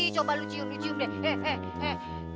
coba aku pinter